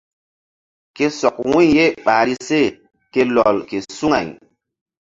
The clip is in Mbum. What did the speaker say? Ke sɔk wu̧y ye ɓahri se ke lɔl ke suŋay.